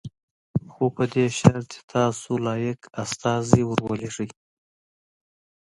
خو په دې شرط چې تاسو لایق استازی ور ولېږئ.